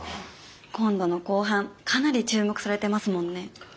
今度の公判かなり注目されてますもんね。